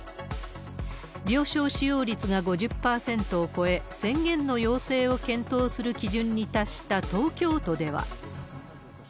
病床使用率が５０％を超え、宣言の要請を検討する基準に達した東京都では。